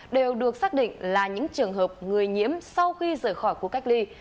đều được xác định là những trường hợp người nhiễm sau khi rời khỏi khu cách ly